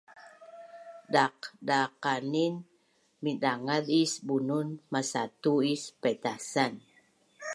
Daqdaqanin mindangaz is bunun masatu is paitasan